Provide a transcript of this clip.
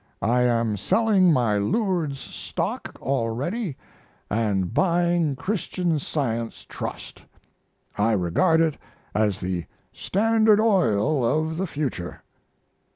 I am selling my Lourdes stock already & buying Christian Science trust. I regard it as the Standard Oil of the future.